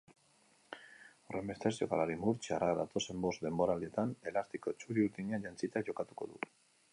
Horrenbestez, jokalari murtziarrak datozen bost denboraldietan elastiko txuri-urdina jantzita jokatuko du.